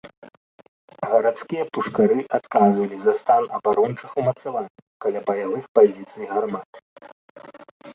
Гарадскія пушкары адказвалі за стан абарончых умацаванняў каля баявых пазіцый гармат.